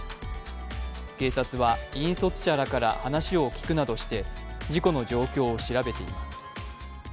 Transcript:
警察は、引率者らから話を聞くなどして事故の状況を調べています。